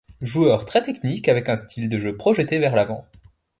Joueur très technique avec un style de jeu projetté vers l'avant.